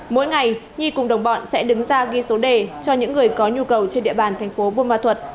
mỗi ngày nhi cùng đồng bọn sẽ đứng ra ghi số đề cho những người có nhu cầu trên địa bàn thành phố buôn ma thuật